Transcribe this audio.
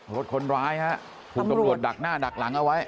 รถคนร้ายฮะถูกตำรวจดักหน้าดักหลังเอาไว้